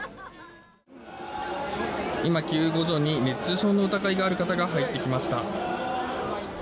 今、救護所に熱中症の疑いのある方が入ってきました。